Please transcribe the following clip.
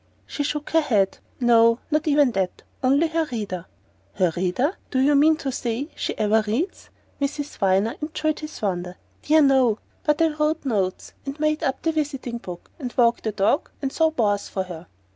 She shook her head. "No; not even that. Only her reader." "Her reader? Do you mean to say she ever reads?" Miss Viner enjoyed his wonder. "Dear, no! But I wrote notes, and made up the visiting book, and walked the dogs, and saw bores for her."